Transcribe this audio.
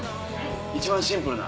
一番シンプルな。